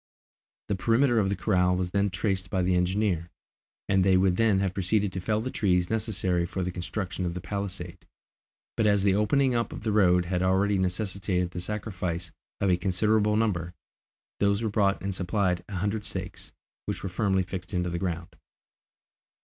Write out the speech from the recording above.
The perimeter of the corral was then traced by the engineer, and they would then have proceeded to fell the trees necessary for the construction of the palisade, but as the opening up of the road had already necessitated the sacrifice of a considerable number, those were brought and supplied a hundred stakes, which were firmly fixed in the ground.